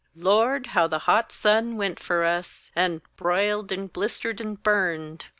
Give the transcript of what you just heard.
Lord! how the hot sun went for us, And br'iled and blistered and burned!